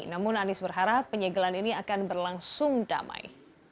namun anies berharap penyegelan ini akan berlangsung damai